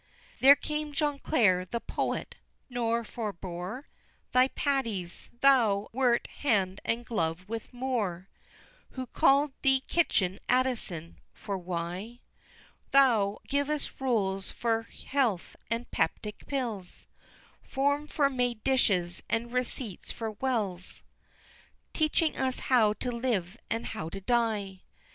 There came John Clare, the poet, nor forbore Thy Patties thou wert hand and glove with Moore, Who call'd thee "Kitchen Addison" for why? Thou givest rules for Health and Peptic Pills, Forms for made dishes, and receipts for Wills, "Teaching us how to live and how to die!"